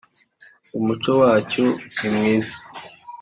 Umuco wacyo nimwiza.